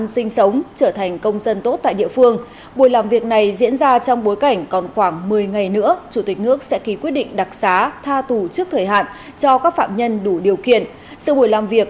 xin chào và hẹn gặp lại